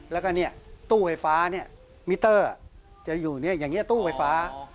แล้วก็ตู้ไฟฟ้าเนี่ยมิเตอร์จะอยู่อย่างนี้ตู้ไฟฟ้า